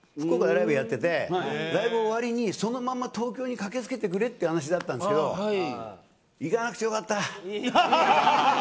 ライブ終わりに、そのまま東京に駆けつけてくれという話だったんですけど行かなくてよかった。